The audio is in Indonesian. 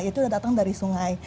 itu datang dari sungai